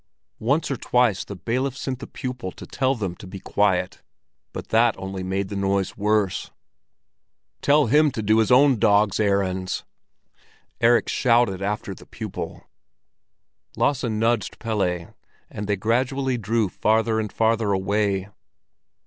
Once or twice the bailiff sent the pupil to tell them to be quiet, but that only made the noise worse. "Tell him to go his own dog's errands!" Erik shouted after the pupil. Lasse nudged Pelle and they gradually drew farther and farther away.